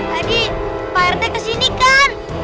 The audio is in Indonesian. tadi pak rt kesini kan